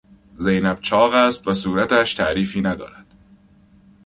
زینب چاق است و صورتش تعریفی ندارد.